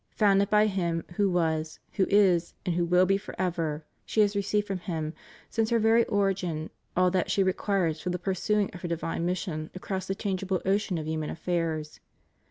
Founded by Him who was, who is, and who urill he forever, she has received from Him, since her very origin, all that she requires for the pursuing of her divine mission across the changeable ocean of human affairs.